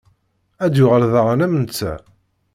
Ad yuɣal daɣen am netta.